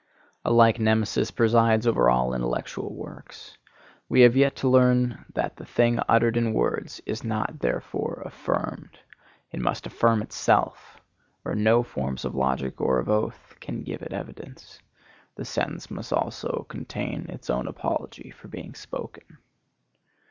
A like Nemesis presides over all intellectual works. We have yet to learn that the thing uttered in words is not therefore affirmed. It must affirm itself, or no forms of logic or of oath can give it evidence. The sentence must also contain its own apology for being spoken.